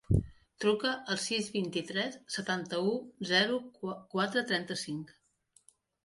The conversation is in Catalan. Truca al sis, vint-i-tres, setanta-u, zero, quatre, trenta-cinc.